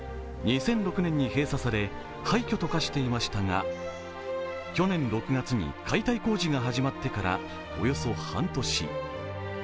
２００６年に閉鎖され廃墟と化していましたが、去年６月に解体工事が始まってからおよそ半年。